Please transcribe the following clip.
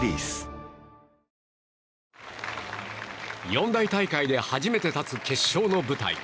四大大会で初めて立つ決勝の舞台。